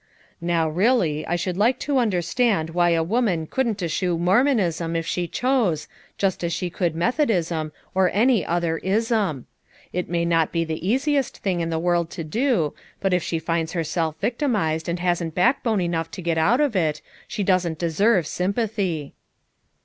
"Now, really, I should like to understand why a woman couldn't eschew Mormonism if she chose, just as she could Methodism, or any other ism. It may not be the easiest thing in the world to do, but if she finds herself victim ized and hasn't backbone enough to get out of it, she doesn't deserve sympathy."